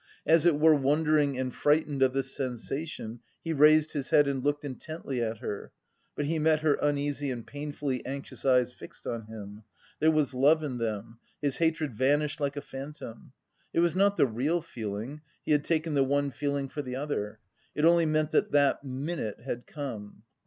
As it were wondering and frightened of this sensation, he raised his head and looked intently at her; but he met her uneasy and painfully anxious eyes fixed on him; there was love in them; his hatred vanished like a phantom. It was not the real feeling; he had taken the one feeling for the other. It only meant that that minute had come.